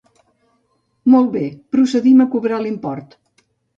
Molt bé, procedim a cobrar l'import.